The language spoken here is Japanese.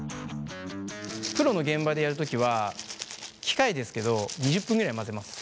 プロの現場でやる時は機械ですけど２０分ぐらい混ぜます。